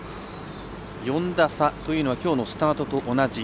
４打差というのはきょうのスタートと同じ。